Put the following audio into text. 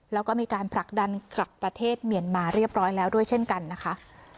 แล้วก็มีการผลักดันกลับประเทศเมียนมาเรียบร้อยแล้วด้วยเช่นกันนะคะ